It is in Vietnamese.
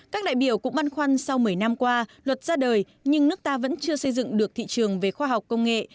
các đại biểu cũng băn khoăn sau một mươi năm qua luật ra đời nhưng nước ta vẫn chưa xây dựng được thị trường về khoa học công nghệ